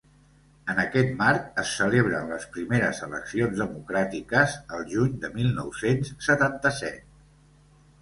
En aquest marc, es celebren les primeres eleccions democràtiques al juny de mil nou-cents setanta-set.